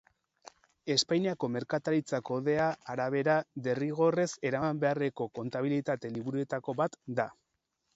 Espainiako Merkataritza Kodea arabera, derrigorrez eraman beharreko kontabilitate-liburuetako bat da.